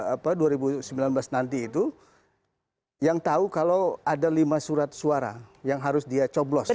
apa dua ribu sembilan belas nanti itu yang tahu kalau ada lima surat suara yang harus dia coblos